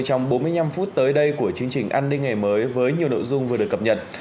trong bốn mươi năm phút tới đây của chương trình an ninh ngày mới với nhiều nội dung vừa được cập nhật